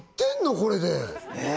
これでえ？